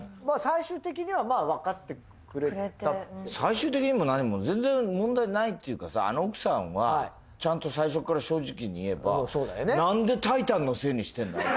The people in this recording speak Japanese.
最終的には分かってくれた最終的にも何も全然問題ないっていうかさあの奥さんはちゃんと最初から正直に言えばそうだよね